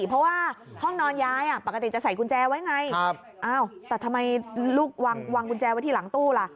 เพราะว่าห้องนอนยายปกติจะใส่กุญแจไว้ไงแต่ทำไมลูกวางกุญแจไว้ที่หลังตู้ล่ะ